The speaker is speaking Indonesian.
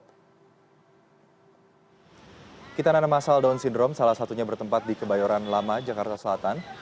ketika kita menemukan masalah down syndrome salah satunya bertempat di kebayoran lama jakarta selatan